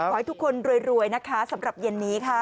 ขอให้ทุกคนรวยนะคะสำหรับเย็นนี้ค่ะ